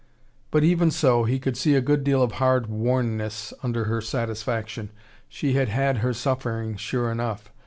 But even so, he could see a good deal of hard wornness under her satisfaction. She had had her suffering, sure enough.